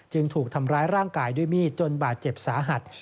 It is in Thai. ถูกทำร้ายร่างกายด้วยมีดจนบาดเจ็บสาหัส